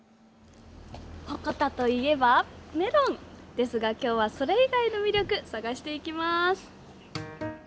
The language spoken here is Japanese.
鉾田といえばメロンですが今日は、それ以外の魅力を探していきます。